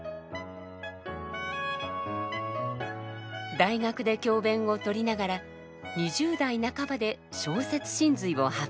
大学で教鞭を執りながら２０代半ばで「小説神髄」を発表。